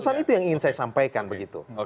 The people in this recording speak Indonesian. pesan itu yang ingin saya sampaikan begitu